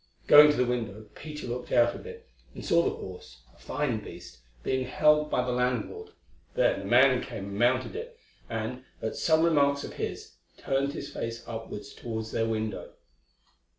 Going to the window, Peter looked out of it and saw the horse, a fine beast, being held by the landlord, then a man came and mounted it and, at some remark of his, turned his face upwards towards their window.